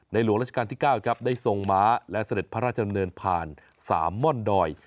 หลวงราชการที่๙ครับได้ทรงม้าและเสด็จพระราชดำเนินผ่าน๓ม่อนดอย